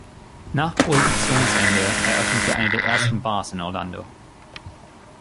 Nach Prohibitionsende eröffnete er eine der ersten Bars in Orlando.